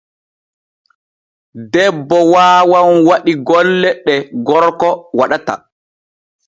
Debbo waawan waɗi golle ɗ e gorgo waɗata.